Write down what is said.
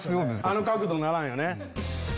あの角度にならんよね。